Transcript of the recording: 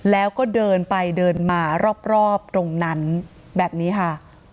แล้วก็เดินไปเดินมารอบตรงนั้นแบบนี้ค่ะ